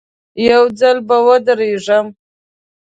یو ځل به ورېږدم.